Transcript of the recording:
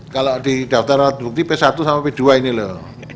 kalau di daftar alat bukti p satu sampai p dua ini loh